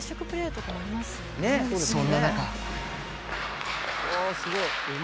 そんな中。